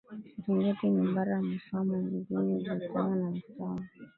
Serengeti Mwibara Musoma Mjini Butiama na Musoma